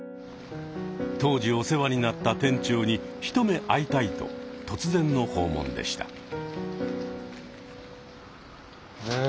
当時お世話になった店長に一目会いたいと突然の訪問でした。